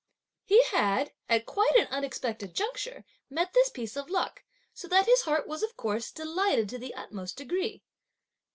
He had, at quite an unexpected juncture, met this piece of luck, so that his heart was, of course, delighted to the utmost degree.